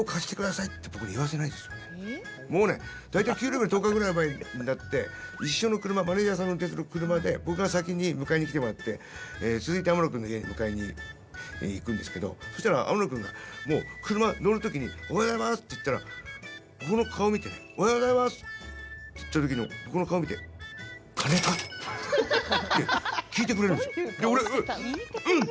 もうね、大体給料日の１０日ぐらい前になって一緒の車マネージャーさんが運転する車で僕が先に迎えに来てもらって続いて天野君の家に迎えに行くんですけど、そしたら天野君がもう車乗る時におはようございますって言ったらおはようございますって言った時の僕の顔見てって聞いてくれるんですよ。